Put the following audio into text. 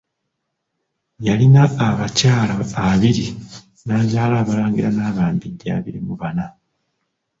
Yalina abakyala abiri n'azaala abalangira n'abambejja abiri mu bana.